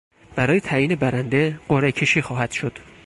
برای تعیین برنده قرعهکشی خواهد شد.